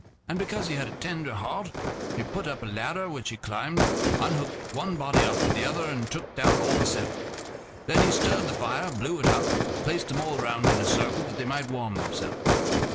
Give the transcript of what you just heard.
And because he had a tender heart, he put up a ladder, which he climbed unhooked one body after the other, and took down all the seven. Then he stirred the fire, blew it up, and placed them all round in a circle, that they might warm themselves.